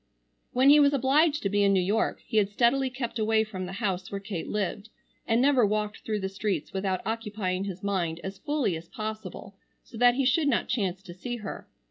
When he was obliged to be in New York he had steadily kept away from the house where Kate lived, and never walked through the streets without occupying his mind as fully as possible so that he should not chance to see her.